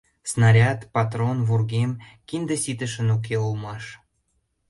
Снаряд, патрон, вургем, кинде ситышын уке улмаш.